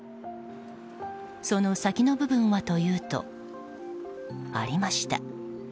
その先の部分はというとありました。